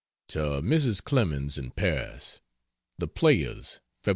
To Mrs. Clemens, in Paris: THE PLAYERS, Feb.